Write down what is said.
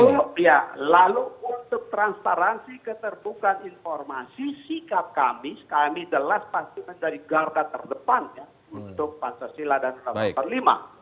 lalu ya lalu untuk transparansi keterbukaan informasi sikap kami kami jelas pastikan dari garga terdepan ya untuk pancasila dan sampai perlima